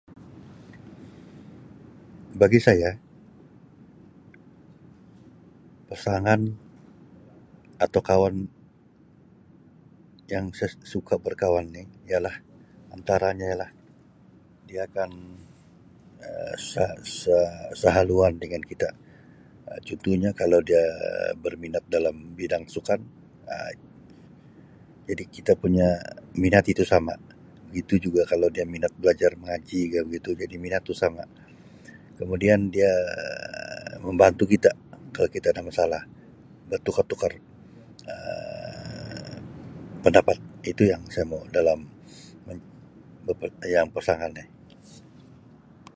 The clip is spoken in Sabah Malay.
Bagi saya pasangan atau kawan yang saya suka berkawan ni ialah antaranya ialah dia akan Um se-se-sehaluan dengan kita Um contohnya kalau dia berminat dalam bidang sukan Um jadi kita punya minat itu sama begitu juga kalau dia minat belajar mengaji ka begitu jadi minat itu sama. Kemudian dia Um membantu kita kalau kita ada masalah, bertukar-tukar Um pendapat. Itu yang saya mau dalam mem-ber- yang pasangan ni.